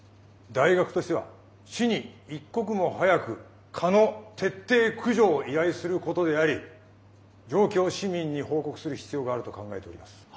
大学としては市に一刻も早く蚊の徹底駆除を依頼することであり状況を市民に報告する必要があると考えております。